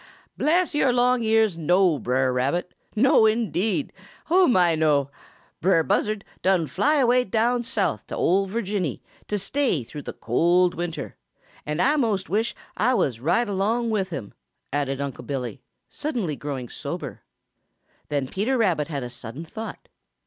"Bless yo' long ears, no, Brer Rabbit! No indeed! Oh my, no! Brer Buzzard done fly away down Souf to ol' Virginny to stay through the cold winter. And Ah most wish Ah was right along with him," added Unc' Billy, suddenly growing sober. Then Peter Rabbit had a sudden thought.